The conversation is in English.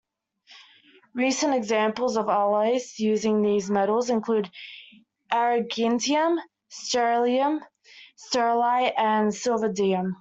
Recent examples of alloys using these metals include Argentium, Sterlium, Sterilite, and Silvadium.